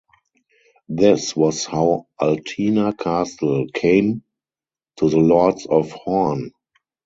This was how Altena Castle came to the Lords of Horne.